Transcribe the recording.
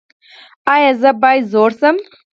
ایا زه باید زوړ شم؟